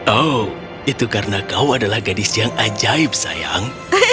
oh itu karena kau adalah gadis yang ajaib sayang